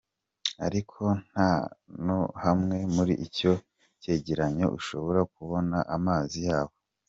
Ariko nta na hamwe muri ico cegeranyo ushobora kubona amazi yabo.